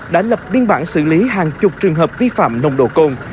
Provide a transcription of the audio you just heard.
đã lập biên bản xử lý hàng chục trường hợp vi phạm nồng độ cồn